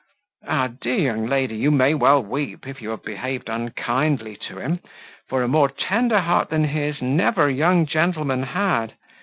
Ah! dear young lady, you may well weep, if you have behaved unkindly to him, for a more tender heart than his never young gentleman had.